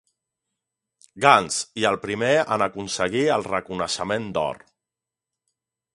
Guns, i el primer en aconseguir el reconeixement d'or.